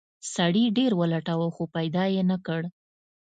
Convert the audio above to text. سړي ډیر ولټاوه خو پیدا یې نه کړ.